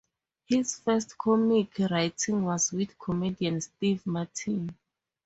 His first comic writing was with comedian Steve Martin.